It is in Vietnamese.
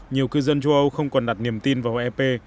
nhiều cư dân châu âu không còn đặt niềm tin vào ep